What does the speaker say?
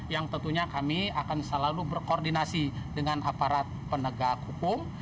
yang tentunya kami akan selalu berkoordinasi dengan aparat penegak hukum